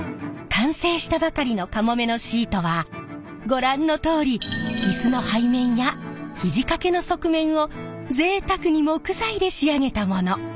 完成したばかりの「かもめ」のシートはご覧のとおり椅子の背面や肘掛けの側面をぜいたくに木材で仕上げたもの。